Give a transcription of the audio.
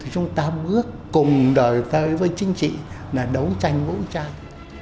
chúng ta bước cùng đời tới với chính trị là đấu tranh vũ trang